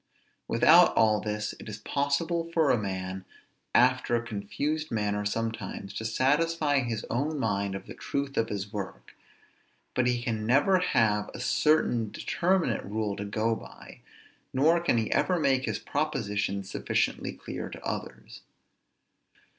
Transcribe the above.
Without all this it is possible for a man, after a confused manner sometimes to satisfy his own mind of the truth of his work; but he can never have a certain determinate rule to go by, nor can he ever make his propositions sufficiently clear to others.